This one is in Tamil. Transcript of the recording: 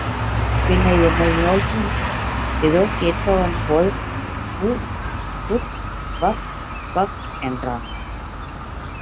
பின்னர் என்னை நோக்கி எதோ கேட்பவன் போல் வ்க் வக் வக்! என்றான்.